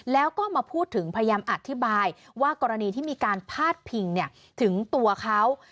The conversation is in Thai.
แล้วก็มาพูดถึงพยายามอธิบายว่ากรณีที่มีการพาดพิงถึงตัวเขา